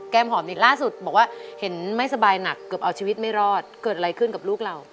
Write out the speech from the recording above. หอมอีกล่าสุดบอกว่าเห็นไม่สบายหนักเกือบเอาชีวิตไม่รอดเกิดอะไรขึ้นกับลูกเรา